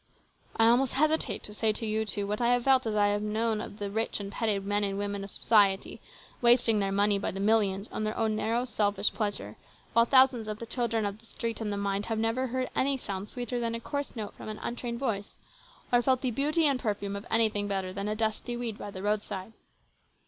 I almost hesitate to say to you two what I have felt as I have known of the rich and petted men and women of society wasting their money by the millions on their own narrow, selfish pleasure, while thousands of the children of the street and the mine have never heard any sound sweeter than a coarse note from an untrained voice, or felt the beauty and perfume of anything better than a dusty weed by the 176 HIS BROTHER'S KEEPER. roadside.